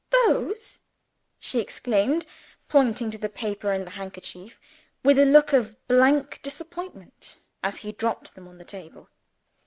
"Those!" she exclaimed, pointing to the paper and the handkerchief, with a look of blank disappointment as he dropped them on the table.